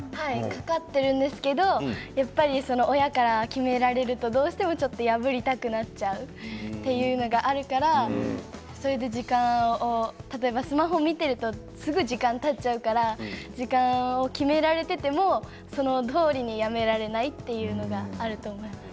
かかってるんですけどでも親から決められるとどうしても破りたくなっちゃうというのがあるからそれで時間も例えばスマホを見ているとすぐに時間がたっちゃうから時間を決められていてもそのとおりにやめられないというのがあると思います。